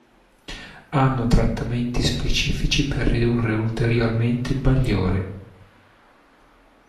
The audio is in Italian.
Hanno trattamenti specifici per ridurre ulteriormente il bagliore.